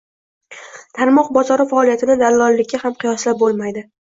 Tarmoq bozori faoliyatini dallollikka ham qiyoslab bo‘lmaydi